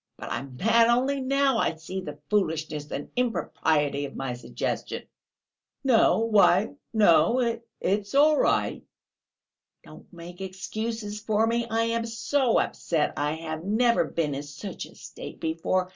But I'm mad! Only now I see the foolishness and impropriety of my suggestion!..." "No, why, no! It's all right!..." "Don't make excuses for me; I am so upset. I have never been in such a state before.